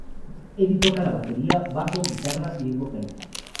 Eide toca la batería, bajo, guitarra y es vocalista.